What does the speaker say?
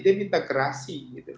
dia minta kerasi gitu